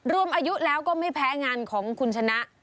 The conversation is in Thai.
รวมอายุแล้วก็ไม่แพ้งานของคุณชนะ